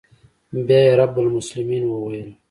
بيا يې رب المسلمين وويل.